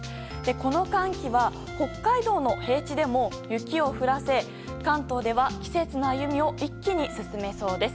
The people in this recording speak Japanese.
この寒気は北海道の平地でも雪を降らせ関東では季節の歩みを一気に進めそうです。